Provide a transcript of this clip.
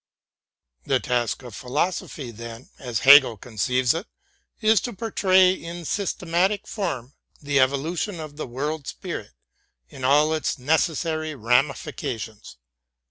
The task of philosophy, then, as Hegel conceives it, is to portray in systematic form the evolution of the World 14 THE GERMAN CLASSICS Spirit in all its necessary ramifications.